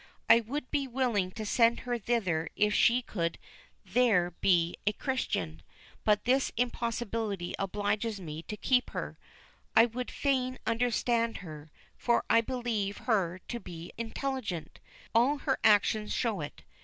I would willingly send her thither if she could there be a Christian; but this impossibility obliges me to keep her. I would fain understand her, for I believe her to be intelligent all her actions show it.